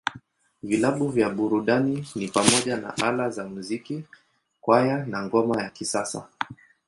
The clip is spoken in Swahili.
Vilabu vya burudani ni pamoja na Ala za Muziki, Kwaya, na Ngoma ya Kisasa.